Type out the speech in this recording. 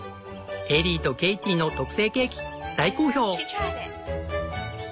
エリーとケイティの特製ケーキ大好評。